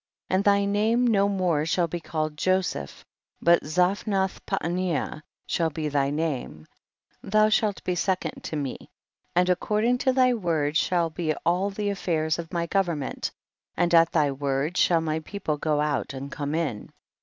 21. And thy name no more shall be called Joseph, but Zaphnalh Paa neah shall be thy name ; thou shalt be second to me, and according to thy word shall be all the affairs of my government, and at thy word shall my people go out and come in.